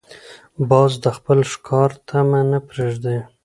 باز د خپل ښکار طمع نه پرېږدي